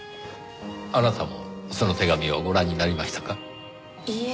あなたもその手紙をご覧になりましたか？いいえ。